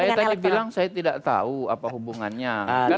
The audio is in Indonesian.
saya tadi bilang saya tidak tahu apa hubungannya